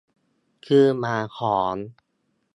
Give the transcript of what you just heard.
คืนหมาหอน